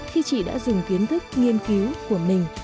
khi chị đã dùng kiến thức nghiên cứu của mình